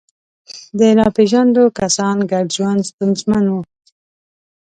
د ناپېژاندو کسانو ګډ ژوند ستونزمن و.